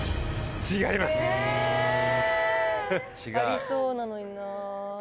ありそうなのになぁ。